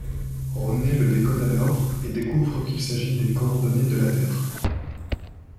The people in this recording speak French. Rodney le décode alors et découvre qu'il s'agit des coordonnées de la Terre.